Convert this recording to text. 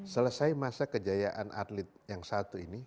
selesai masa kejayaan atlet yang satu ini